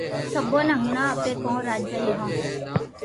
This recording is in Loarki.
سبي ني ھڻاوُ ڪو اپي راجي ھون